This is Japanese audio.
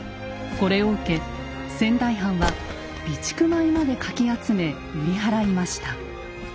これを受け仙台藩は備蓄米までかき集め売り払いました。